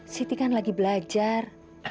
siti kan lagi belajar